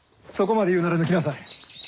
そこまで言うなら抜きなさい。